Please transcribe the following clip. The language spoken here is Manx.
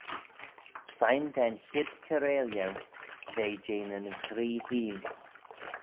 Shegin da'n chied kiarail eu ve jeh nyn ghree hene.